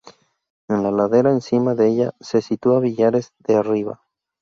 En la ladera encima de ella se sitúa Villares de Arriba.